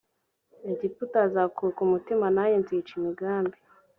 egiputa hazakuka umutima nanjye nzica imigambi